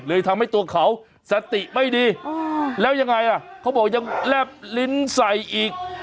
ทำให้ตัวเขาสติไม่ดีแล้วยังไงอ่ะเขาบอกยังแลบลิ้นใส่อีก